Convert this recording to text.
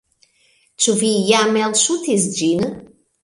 Ĉu vi jam elŝutis ĝin?